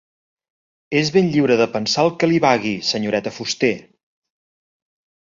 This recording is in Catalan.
És ben lliure de pensar el que li vagui, senyoreta Fuster.